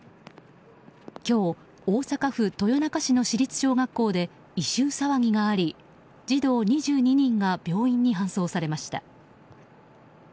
今日、大阪府豊中市の市立小学校で異臭騒ぎがあり児童２２人が病院に搬送されました。